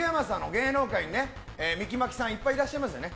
芸能界にミキ・マキさんがいっぱいいらっしゃいますよね